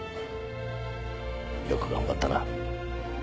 よく頑張ったな。